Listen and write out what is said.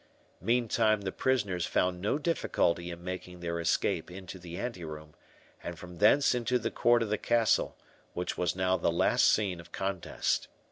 Meantime the prisoners found no difficulty in making their escape into the anteroom, and from thence into the court of the castle, which was now the last scene of contest.